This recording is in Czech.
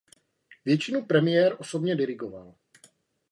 Většinu premiér osobně dirigoval.